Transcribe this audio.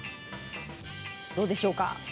どうでしょうか。